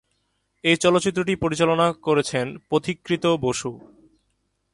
এই চলচ্চিত্রটি পরিচালনা করেছেন পথিকৃৎ বসু।